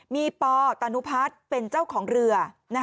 มีปตานุพัฒน์เป็นเจ้าของเรือ